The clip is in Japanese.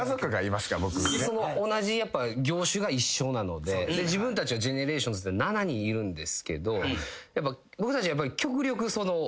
その同じ業種が一緒なので自分たちはＧＥＮＥＲＡＴＩＯＮＳで７人いるんですけどやっぱ僕たち。